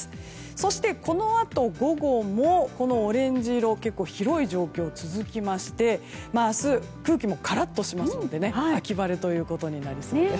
そして、このあと午後もこのオレンジ色は結構、広い状況が続きまして明日、空気もカラッとしますので秋晴れということになりそうです。